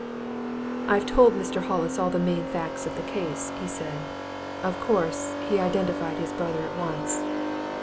"I've told Mr. Hollis all the main facts of the case," he said. "Of course, he identified his brother at once."